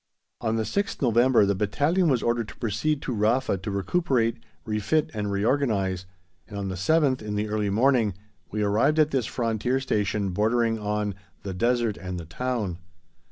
On the 6th November the battalion was ordered to proceed to Rafa to recuperate, refit and reorganise, and on the 7th, in the early morning, we arrived at this frontier station bordering on "the desert and the town."